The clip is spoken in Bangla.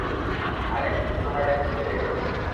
আর এখন আমার ডান্স কে দেখবে?